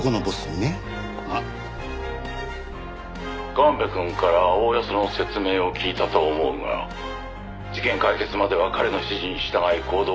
「神戸くんからおおよその説明を聞いたと思うが事件解決までは彼の指示に従い行動するように」